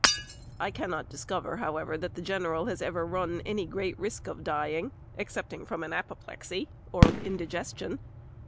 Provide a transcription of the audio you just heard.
I cannot discover, however, that the general has ever run any great risk of dying, excepting from an apoplexy, or indigestion.